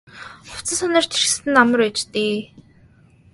Хувцас хунар чирсэн нь амар байж дээ.